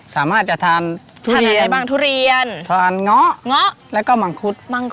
สามารถจะทานทุเรียนง้อแล้วก็มังคุช